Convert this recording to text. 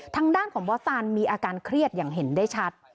ทางด้านของบอสซานมีอาการเครียดอย่างเห็นได้ชัด